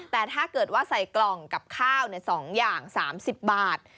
แต่ถ้าเกิดว่าใส่กล่องกับข้าว๒อย่าง๓๐บาท